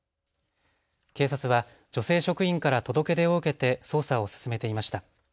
警察は女性職員から届け出を受けて捜査を進めていました。